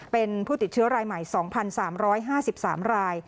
เป็นผู้ติดเชื้อรายใหม่สองพันสามร้อยห้าสิบสามราย